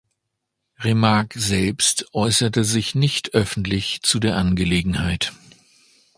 Remarque selbst äußerte sich nicht öffentlich zu der Angelegenheit.